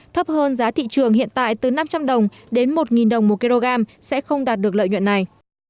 thấp hơn giá thị trường hiện tại từ năm trăm linh đồng đến một đồng một kg sẽ không đạt được lợi nhuận này